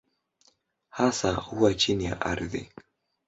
Hasa huwa chini ya ardhi.